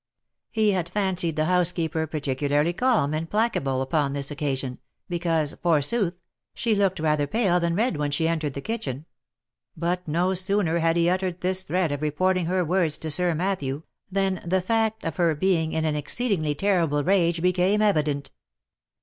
He had fancied the housekeeper particularly calm and placable upon this occasion, because, forsooth, she looked rather pale than red when she entered the kitchen ; but no sooner had he uttered this threat of reporting her words to Sir Matthew, than the fact of her being in an exceed ingly terrible rage became evident.